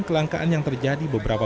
kelangkaan yang terjadi beberapa